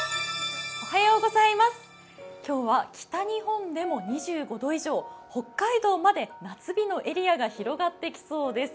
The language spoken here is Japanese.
今日は北日本でも２５度以上、北海道まで夏日のエリアが広がってきそうです。